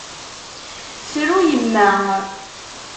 Tru yemma.